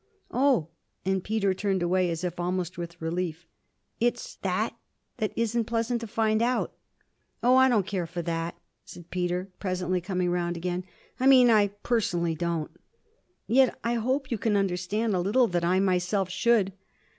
'Oh!' and Peter turned away as if almost with relief. 'It's that that isn't pleasant to find out.' 'Oh I don't care for "that",' said Peter, presently coming round again. 'I mean I personally don't.' 'Yet I hope you can understand a little that I myself should!'